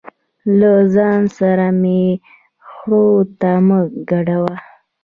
له ځان سره مې خړو ته مه ګډوه.